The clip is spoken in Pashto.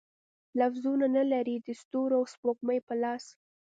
لفظونه، نه لري د ستورو او سپوږمۍ په لاس